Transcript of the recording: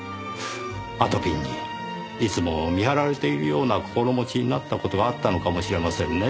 あとぴんにいつも見張られているような心持ちになった事があったのかもしれませんねぇ。